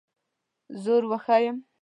زور وښیم.